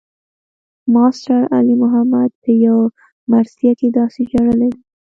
ماسټر علي محمد پۀ يو مرثيه کښې داسې ژړلے دے